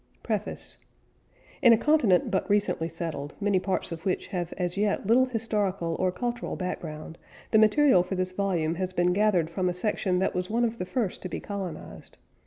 PREFACE In a continent but recently settled, many parts of which have as yet little historical or cultural background, the material for this volume has been gathered from a section that was one of the first to be colonized.